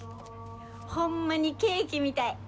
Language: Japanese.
ホンマにケーキみたい！